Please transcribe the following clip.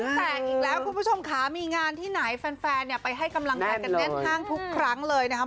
แตกอีกแล้วคุณผู้ชมค่ะมีงานที่ไหนแฟนไปให้กำลังใจกันแน่นห้างทุกครั้งเลยนะครับ